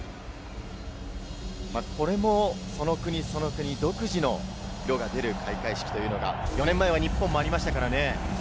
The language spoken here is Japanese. これもその国その国、独自の色が出る開会式というのが、４年前は日本もありましたからね。